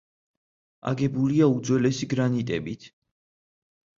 აგებულია უძველესი გრანიტებით.